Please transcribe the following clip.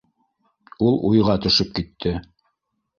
Ул уйға төшөп китте: